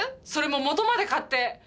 それも素まで買って。